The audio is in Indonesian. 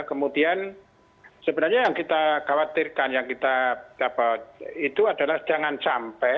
kemudian sebenarnya yang kita khawatirkan itu adalah jangan campur